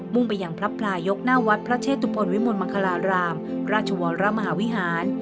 ่งไปยังพระปลายกหน้าวัดพระเชตุพลวิมลมังคลารามราชวรมหาวิหาร